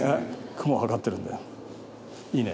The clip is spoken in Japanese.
雲を測ってるんだよ。いいね。